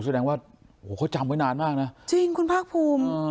แสดงว่าโอ้โหเขาจำไว้นานมากนะจริงคุณภาคภูมิ